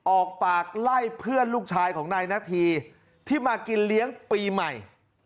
ออกปากไล่เพื่อนลูกชายของนายนาธีที่มากินเลี้ยงปีใหม่